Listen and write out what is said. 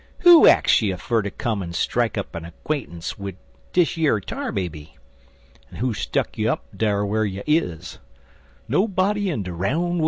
'Who ax you fer ter come en strike up a 'quaintance wid dish yer Tar Baby? En who stuck you up dar whar you iz? Nobody in de roun' worl'.